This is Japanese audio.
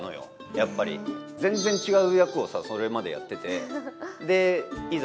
やっぱり全然違う役をさそれまでやっててでいざ